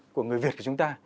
của người việt của chúng ta